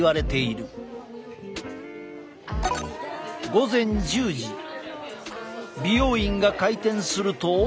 午前１０時美容院が開店すると。